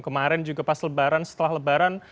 kemarin juga pas lebaran setelah lebaran